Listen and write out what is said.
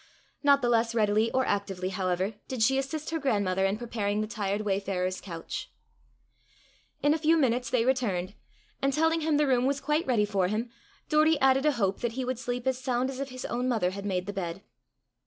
Not the less readily or actively, however, did she assist her grandmother in preparing the tired wayfarer's couch. In a few minutes they returned, and telling him the room was quite ready for him, Doory added a hope that he would sleep as sound as if his own mother had made the bed.